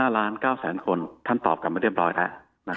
๕ล้าน๙แสนคนท่านตอบกลับมาเรียบร้อยแล้ว